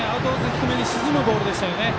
低めに沈むボールでしたね。